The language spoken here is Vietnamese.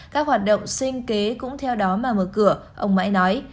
các hoạt động sinh kế cũng theo đó mà mở cửa ông mãi nói